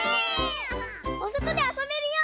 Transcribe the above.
おそとであそべるよ！